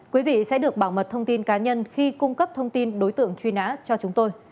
quý vị sẽ được bảo mật thông tin cá nhân khi cung cấp thông tin đối tượng truy nã cho chúng tôi